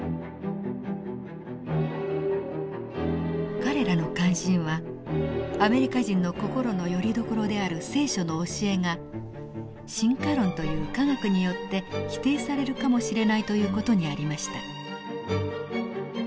彼らの関心は「アメリカ人の心のよりどころである『聖書』の教えが進化論という科学によって否定されるかもしれない」という事にありました。